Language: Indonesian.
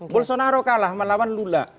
bolsonaro kalah melawan lula